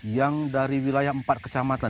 yang dari wilayah empat kecamatan